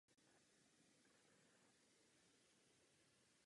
V líčení okolností jeho úmrtí se antické prameny rozcházejí.